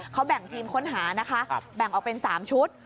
เขาแบ่งทีมค้นหานะคะแบ่งออกเป็น๓ชุด